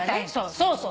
そうそう。